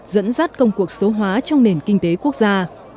dẫn dắt công cuộc số hóa trong nền kinh tế quốc gia